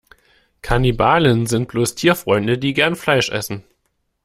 Kannibalen sind bloß Tierfreunde, die gern Fleisch essen.